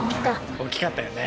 大きかったよね。